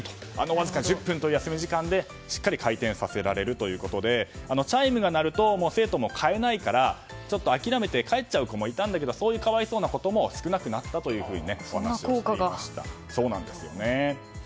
わずか１０分という休み時間で、しっかり回転させられるということでチャイムが鳴ると生徒も買えないから諦めて帰っちゃう子もいたんだけどそういう可哀想なことも少なくなったとお話していました。